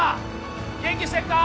元気してるか？